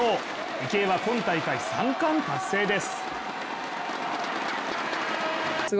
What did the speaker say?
池江は今大会３冠達成です。